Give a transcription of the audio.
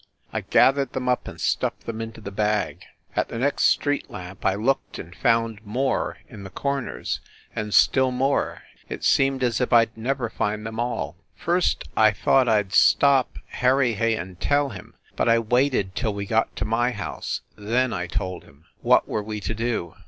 I gathered them up and stuffed them into the bag. At the next street lamp I looked and found more in the corners, and still more ... it seemed as if I d never find them all. ... First I thought I d stop Harry Hay and tell him, .. t but I waited till we got to my house, ... then I told him. What were we to do?